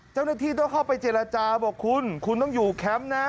เจ้าหน้าที่ต้องเข้าไปเจรจาบอกคุณคุณต้องอยู่แคมป์นะ